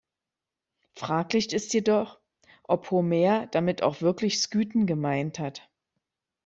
Fraglich ist jedoch, ob Homer damit auch wirklich Skythen gemeint hat.